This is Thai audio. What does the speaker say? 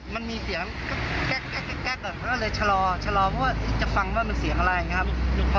มันมีเสียงแก๊กก็เลยชะลอเพราะว่าจะฟังว่ามันเสียงอะไร